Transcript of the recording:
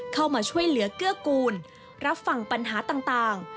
เข้ามาช่วยเหลือเกื้อกูลรับฟังปัญหาต่าง